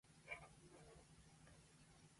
家ってどこだっけ